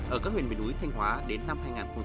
ở các huyện miền núi thanh hóa đến năm hai nghìn hai mươi